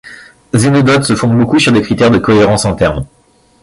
Zénodote se fonde beaucoup sur des critères de cohérence interne.